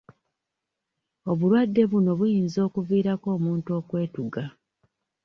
Obulwadde buno buyinza okuviirako omuntu okwetuga.